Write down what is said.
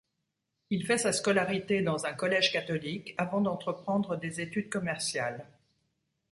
Il fait sa scolarité dans un collège catholique avant d’entreprendre des études commerciales.